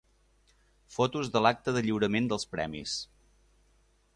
Fotos de l'acte de lliurament dels premis.